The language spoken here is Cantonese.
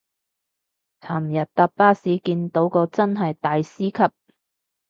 尋日搭巴士見到個真係大師級